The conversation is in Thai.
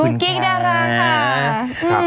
คุณกิ๊กดาราค่ะ